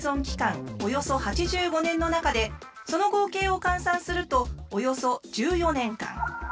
およそ８５年の中でその合計を換算するとおよそ１４年間。